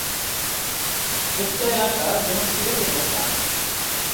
উক্ত এলাকা যেন ফিরে পেল প্রাণ।